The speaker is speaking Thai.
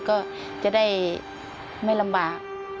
ก็จะได้ไม่ลำบาก